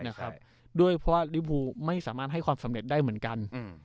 ด้วยเพราะว่าลิฟูไม่สามารถให้ความสำเร็จได้เหมือนกัน